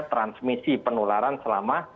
transmisi penularan selama